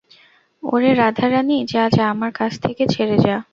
ওরে রাধারানী, যা, যা, আমার কাছ থেকে ছেড়ে যা।